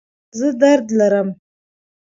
زه درد لرم